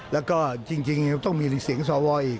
แล้วก็จริงต้องมีเสียงทราบวนดินอีก